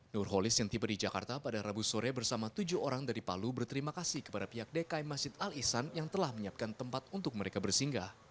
nurholis yang tiba di jakarta pada rabu sore bersama tujuh orang dari palu berterima kasih kepada pihak dki masjid al ihsan yang telah menyiapkan tempat untuk mereka bersinggah